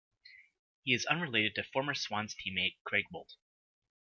He is unrelated to former Swans teammate Craig Bolton.